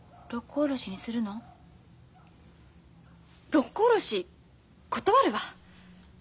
六甲おろし断るわ。